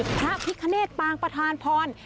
พระพิฆเนตปางประธานพรพระพิฆเนตปางประธานพร